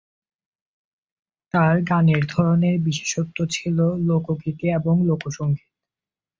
তার গানের ধরনের বিশেষত্ব ছিল লোকগীতি এবং লোকসঙ্গীত।